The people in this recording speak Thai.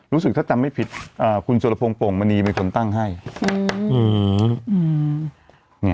รู้สึกถ้าจำไม่ผิดอ่าคุณสุรพงศ์โป่งมณีเป็นคนตั้งให้อืม